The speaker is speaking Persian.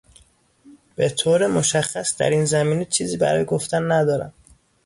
به طور مشخص در این زمینه چیزی برای گفتن ندارم